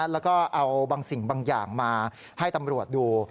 แล้วก็เอาบางสิ่งบางอย่างมาให้ตำรวจดู